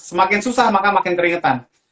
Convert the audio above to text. semakin susah maka makin keringetan